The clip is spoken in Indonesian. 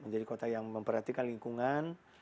menjadi kota yang memperhatikan lingkungan